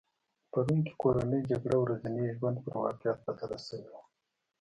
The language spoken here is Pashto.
په روم کې کورنۍ جګړه ورځني ژوند پر واقعیت بدله شوې وه